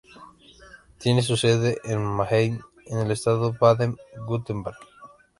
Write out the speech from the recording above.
Tiene su sede en Mannheim, en el estado de Baden-Wurtemberg.